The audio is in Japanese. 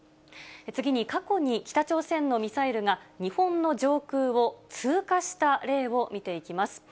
次に、過去に北朝鮮のミサイルが日本の上空を通過した例を見ていきます。